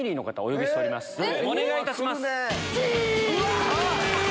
お願いいたします。